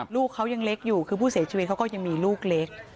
ลูกเขายังเล็กอยู่คือผู้เสียชีวิตเขาก็ยังมีลูกเล็ก